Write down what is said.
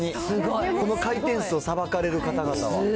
この回転数をさばかれる方々は。